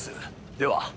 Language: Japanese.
では。